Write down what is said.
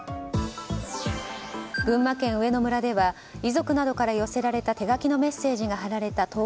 群馬県上野村では遺族などから寄せられた手書きのメッセージが貼られた灯籠